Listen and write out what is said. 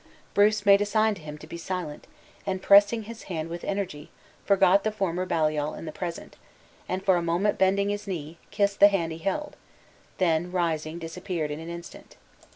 Bruce made a sign to him to be silent, and pressing his hand with energy, forgot the former Baliol in the present, and, for a moment bending his knee, kissed the hand he held; then, rising, disappeared in an instant.